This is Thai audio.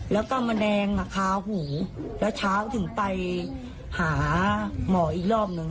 แล้วก็แมลงคาหูแล้วเช้าถึงไปหาหมออีกรอบหนึ่ง